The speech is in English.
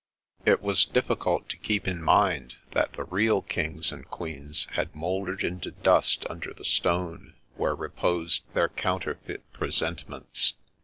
1 270 The Princess Passes It was difficult to keep in mind that the real kings and queens had mouldered into dust under the stone where reposed their counterfeit presentments.